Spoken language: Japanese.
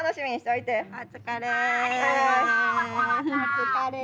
お疲れ。